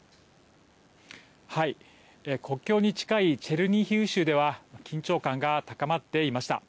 国境に近いチェルニヒウ州では緊張感が高まっていました。